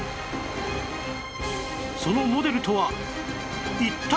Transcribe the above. そのモデルとは一体！？